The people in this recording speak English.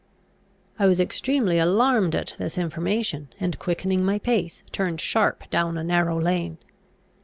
I was extremely alarmed at this information; and, quickening my pace, turned sharp down a narrow lane.